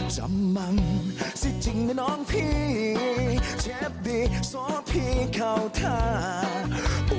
จำมังสิจริงน้องพี่เชฟบีสอบพี่เข้าท่า